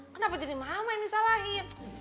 kenapa jadi mama yang disalahin